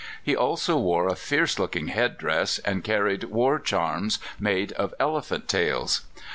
He also wore a fierce looking head dress, and carried war charms made of elephant tails.